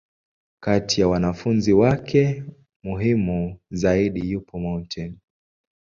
Kati ya wanafunzi wake muhimu zaidi, yupo Mt.